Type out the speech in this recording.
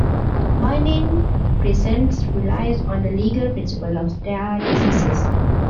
Binding precedent relies on the legal principle of "stare decisis".